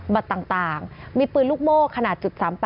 บัตรต่างมีปืนลูกโม่ขนาด๓๘